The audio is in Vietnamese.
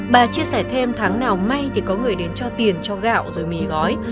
bà chia sẻ thêm tháng nào may thì có người đến cho tiền cho gạo rồi mì gói